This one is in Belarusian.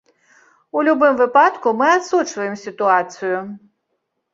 У любым выпадку, мы адсочваем сітуацыю.